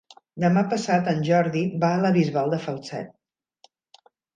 Demà passat en Jordi va a la Bisbal de Falset.